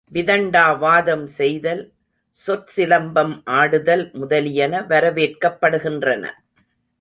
விதண்டாவாதம் செய்தல், சொற்சிலம்பம் ஆடுதல் முதலியன வரவேற்கப் படுகின்றன.